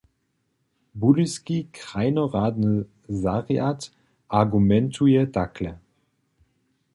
Budyski krajnoradny zarjad argumentuje takle.